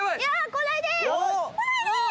来ないで！